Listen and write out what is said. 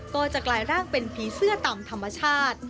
ก็จะกลายร่างเป็นผีเสื้อตามธรรมชาติ